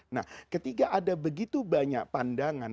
nah ketika ada begitu banyak pandangan